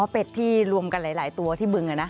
เป็ดที่รวมกันหลายตัวที่บึง